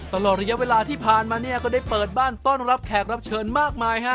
ตลอดระยะเวลาที่ผ่านมาเนี่ยก็ได้เปิดบ้านต้อนรับแขกรับเชิญมากมายฮะ